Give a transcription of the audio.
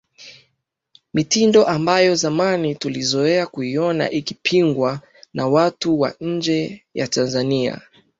Mitindo ambayo zamani tulizoea kuona ikipigwa na watu wa nje ya Tanzania